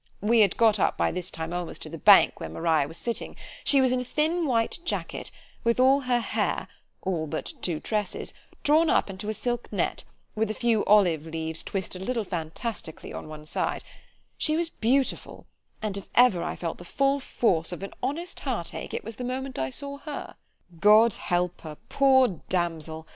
We had got up by this time almost to the bank where Maria was sitting: she was in a thin white jacket, with her hair, all but two tresses, drawn up into a silk net, with a few olive leaves twisted a little fantastically on one side——she was beautiful; and if ever I felt the full force of an honest heart ache, it was the moment I saw her—— ——God help her! poor damsel!